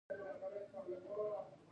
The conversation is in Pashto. هغه موټر له یوه لین څخه بل ته ګړندی تیر کړ